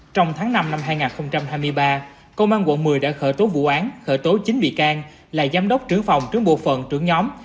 trong tháng năm năm hai nghìn hai mươi ba công an quận một mươi đã khởi tố vụ án khởi tố chín bị can là giám đốc trưởng phòng trưởng bộ phận trưởng nhóm